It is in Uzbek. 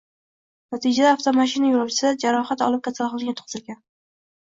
Natijada avtomashina yoʻlovchisi jarohat olib kasalxonaga yotqizilgan.